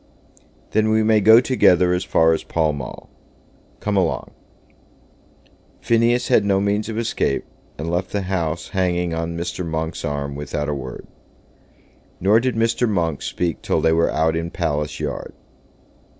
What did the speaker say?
"Then we may go together as far as Pall Mall. Come along." Phineas had no means of escape, and left the House hanging on Mr. Monk's arm, without a word. Nor did Mr. Monk speak till they were out in Palace Yard.